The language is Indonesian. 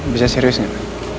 bisa serius gak